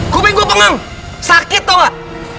gopeng gue pengang sakit tau gak